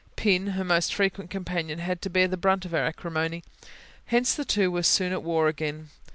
Pin, her most frequent companion, had to bear the brunt of her acrimony: hence the two were soon at war again.